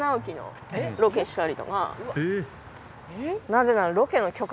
なぜなら。